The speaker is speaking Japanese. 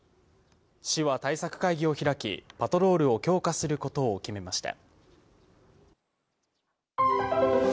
市は対策会議を開き、パトロールを強化することを決めました。